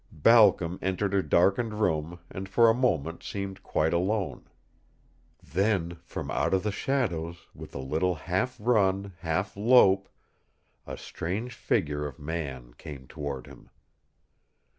Balcom entered a darkened room and for a moment seemed quite alone. Then from out the shadows, with a little half run, half lope, a strange figure of man came toward him.